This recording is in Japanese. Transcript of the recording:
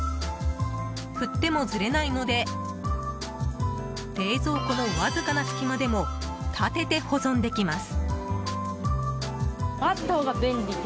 振ってもずれないので冷蔵庫のわずかな隙間でも立てて保存できます。